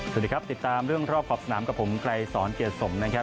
สวัสดีครับติดตามเรื่องรอบขอบสนามกับผมไกรสอนเกียรติสมนะครับ